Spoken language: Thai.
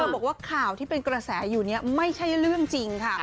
บอกว่าข่าวที่เป็นกระแสเนี่ยไม่ใช่เรื่องจริง